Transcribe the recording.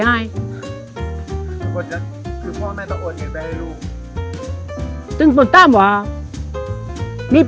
จะต้องห้ามไปไหน